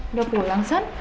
udah pulang zan